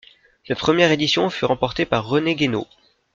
Cette première édition fut remportée par René Guénot.